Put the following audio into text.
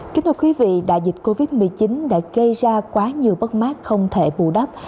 kính thưa quý vị đại dịch covid một mươi chín đã gây ra quá nhiều bất mát không thể bù đắp